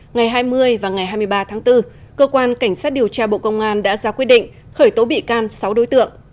ngày hai mươi và ngày hai mươi ba tháng bốn cơ quan cảnh sát điều tra bộ công an đã ra quyết định khởi tố bị can sáu đối tượng